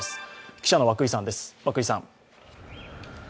記者の涌井さんです。